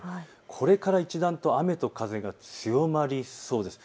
これから一段と雨と風が強まりそうです。